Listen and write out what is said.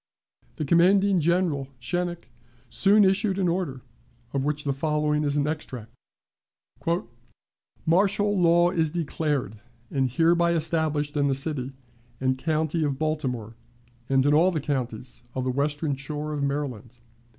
The commanding General, Schenck, soon issued an order, of which the following is an extract: "Martial law is declared and hereby established in the city and county of Baltimore, and in all the counties of the Western Shore of Maryland.